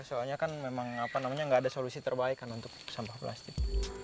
soalnya kan memang nggak ada solusi terbaik kan untuk sampah plastik